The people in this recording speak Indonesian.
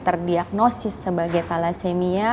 terdiagnosis sebagai thalassemia